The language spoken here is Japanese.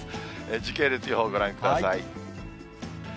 時系列予報ご覧ください。